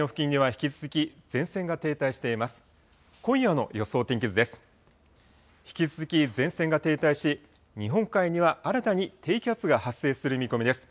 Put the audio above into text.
引き続き前線が停滞し、日本海には新たに低気圧が発生する見込みです。